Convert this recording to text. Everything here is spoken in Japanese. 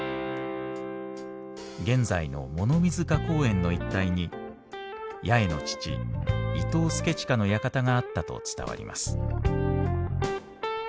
現在の物見塚公園の一帯に八重の父伊東祐親の館があったと伝わります。